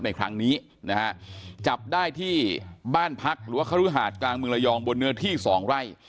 ในครั้งนี้นะฮะจับได้ที่บ้านพักหรือว่าครุหาดกลางเมืองระยองบนเนื้อที่สองไร่